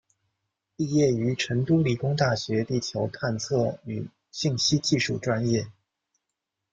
毕业于成都理工大学地球探测与信息技术专业。